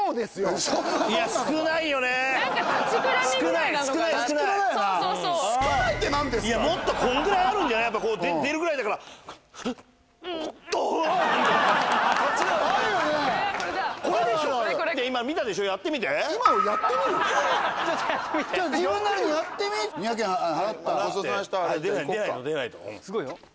すごいよ。